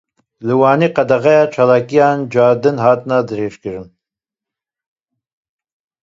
Li Wanê qedexeya çalakiyan cardin hat dirêjkirin.